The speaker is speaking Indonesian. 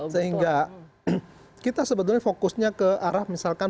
sehingga kita sebetulnya fokusnya ke arah misalkan